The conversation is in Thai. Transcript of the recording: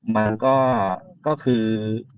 มันก็คือ